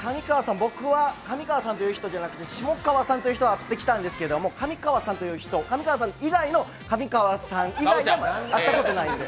上川さんという人じゃなくて下川さんという人は会ってきたんですけど、上川さんという人、上川さん以外の会ったことないんで。